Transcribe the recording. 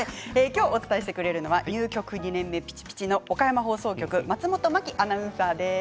今日、伝えてくれるのは入局２年目ぴちぴちの岡山放送局の松本真季アナウンサーです。